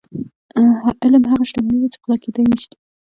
علم هغه شتمني ده چې غلا کیدی نشي.